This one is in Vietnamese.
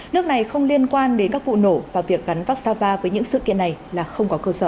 nước này không liên quan đến các vụ nổ và việc gắn vác sava với những sự kiện này là không có cơ sở